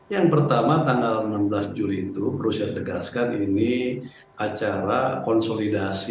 yang pertama tanggal enam belas juli itu perlu saya tegaskan ini acara konsolidasi